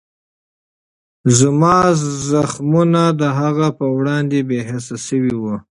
زما زخمونه د هغې په وړاندې بېحسه شوي وو.